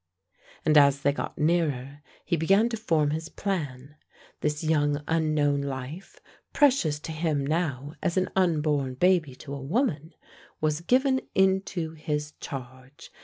And as they got nearer, he began to form his plan. This young unknown life, precious to him now as an unborn baby to a woman, was given into his charge.